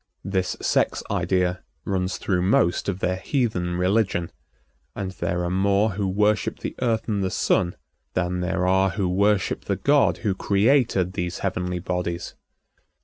This sex idea runs through most of their heathen religion, and there are more who worship the Earth and the Sun than there are who worship the God who created these heavenly bodies.